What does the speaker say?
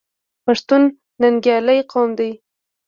پښتون ننګیالی قوم دی.